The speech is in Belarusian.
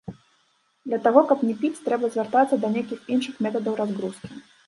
Для таго каб не піць, трэба звяртацца да нейкіх іншых метадаў разгрузкі.